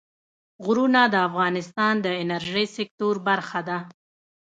غرونه د افغانستان د انرژۍ سکتور برخه ده.